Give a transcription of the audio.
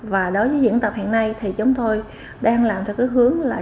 và đối với diễn tập hiện nay thì chúng tôi đang làm theo cái hướng là